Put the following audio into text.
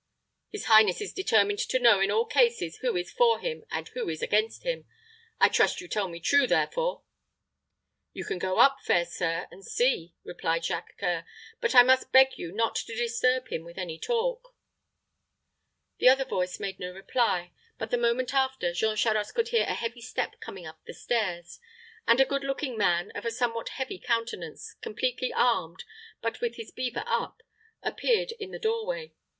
His highness is determined to know in all cases who is for him and who is against him. I trust you tell me true, therefore." "You can go up, fair sir, and see," replied Jacques C[oe]ur; "but I must beg you not to disturb him with any talk." The other voice made no reply, but the moment after Jean Charost could hear a heavy step coming up the stairs, and a good looking man, of a somewhat heavy countenance, completely armed, but with his beaver up, appeared in the doorway.